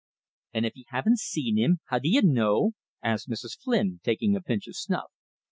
"An' if ye haven't seen him, how d'ye know?" asked Mrs. Flynn, taking a pinch of snuff.